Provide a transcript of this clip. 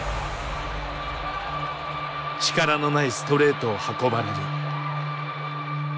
力のないストレートを運ばれる。